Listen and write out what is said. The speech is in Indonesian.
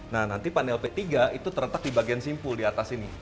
nah nanti panel p tiga itu terletak di bagian simpul di atas ini